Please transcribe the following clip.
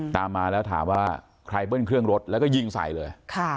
ตามมาแล้วถามว่าใครเบิ้ลเครื่องรถแล้วก็ยิงใส่เลย